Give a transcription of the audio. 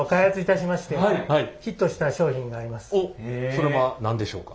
それは何でしょうか？